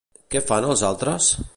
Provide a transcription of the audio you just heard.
Què fan els altres?